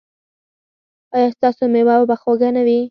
ایا ستاسو میوه به خوږه نه وي؟